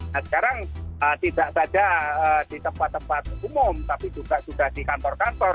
nah sekarang tidak saja di tempat tempat umum tapi juga sudah di kantor kantor